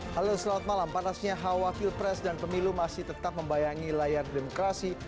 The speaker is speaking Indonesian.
halo selamat malam panasnya hawa pilpres dan pemilu masih tetap membayangi layar demokrasi